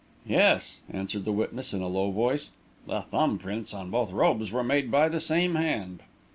"Yes," answered the witness, in a low voice; "the thumb prints on both robes were made by the same hand."